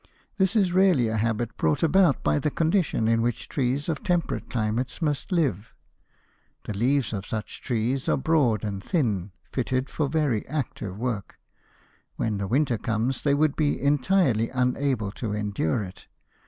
This is really a habit, brought about by the conditions in which trees of temperate climates must live. The leaves of such trees are broad and thin, fitted for very active work. When the winter comes, they would be entirely unable to endure it.